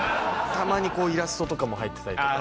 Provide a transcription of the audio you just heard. たまにこうイラストとかも入ってたりとか。